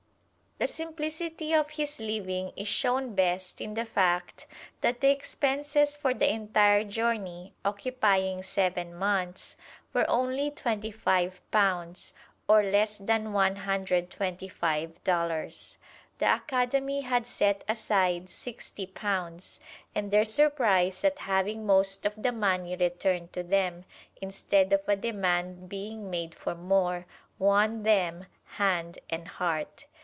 The simplicity of his living is shown best in the fact that the expenses for the entire journey, occupying seven months, were only twenty five pounds, or less than one hundred twenty five dollars. The Academy had set aside sixty pounds, and their surprise at having most of the money returned to them, instead of a demand being made for more, won them, hand and heart.